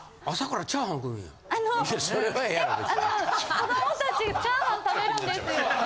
子どもたちチャーハン食べるんですよ。